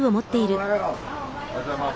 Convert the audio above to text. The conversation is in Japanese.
おはようございます。